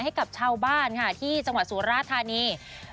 ให้กับเช่าบ้านที่จังหวัดสวรรษฐานี